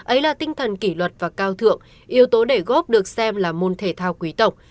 ấy là tinh thần kỷ luật và cao thượng yếu tố để góp được xem là môn thể thao quý tộc